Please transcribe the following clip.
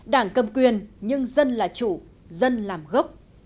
đảng cầm quyền nhưng dân là chủ dân làm gốc